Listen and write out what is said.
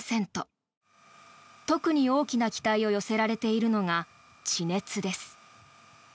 特に大きな期待を寄せられているのが地熱です。